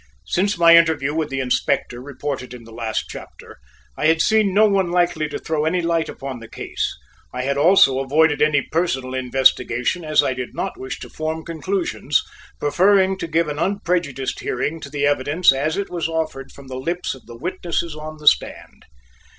Since my interview with the Inspector, reported in the last chapter, I had seen no one likely to throw any light upon the case. I had also avoided any personal investigation as I did not wish to form conclusions, preferring to give an unprejudiced hearing to the evidence as it was offered from the lips of the witnesses on the stand.